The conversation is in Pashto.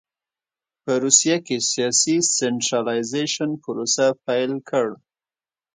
په روسیه کې سیاسي سنټرالایزېشن پروسه پیل کړ.